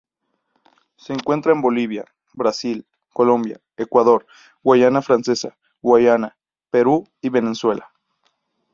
Se encuentra en Bolivia, Brasil, Colombia, Ecuador, Guayana Francesa, Guyana, Perú y Venezuela.